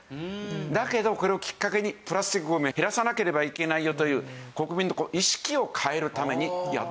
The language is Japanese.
だけどこれをきっかけにプラスチックゴミを減らさなければいけないよという国民の意識を変えるためにやってるんだという事。